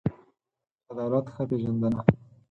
د دولت ښه پېژندنه